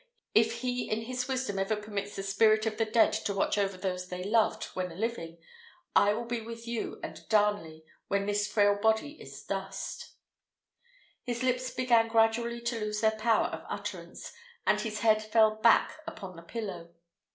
if He in his wisdom ever permits the spirit of the dead to watch over those they loved when living, I will be with you and Darnley when this frail body is dust." His lips began gradually to lose their power of utterance, and his head fell back upon the pillow.